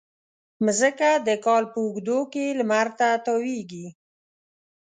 مځکه د کال په اوږدو کې لمر ته تاوېږي.